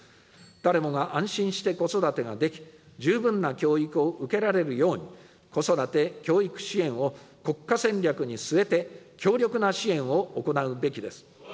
誰もが安心して子育てができ、十分な教育を受けられるように、子育て・教育支援を国家戦略に据えて、強力な支援を行うべきです。